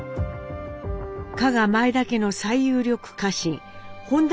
加賀前田家の最有力家臣本多